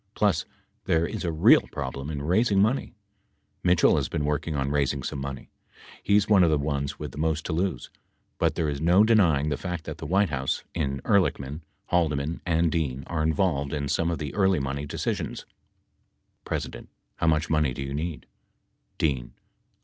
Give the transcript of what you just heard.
Plus there is a real problem in raising money. Mitchell has been working on raising some money. He is one of the ones with the most to lose. But there is no denying the fact that the White House, in Ehrlichman, Haldeman and Dean are involved in some of the early money decisions.